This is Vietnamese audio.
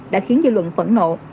đã khiến dư luận phẫn nộ